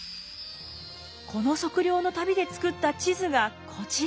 この測量の旅で作った地図がこちら。